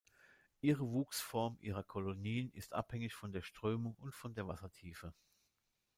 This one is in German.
Ihre Wuchsform ihrer Kolonien ist abhängig von der Strömung und von der Wassertiefe.